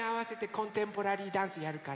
コンテンポラリーダンスやるの？